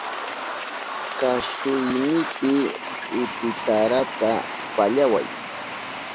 Kashuynipi ipitarata pallaway.